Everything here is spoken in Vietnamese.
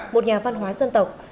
một nhà văn hóa dân tộc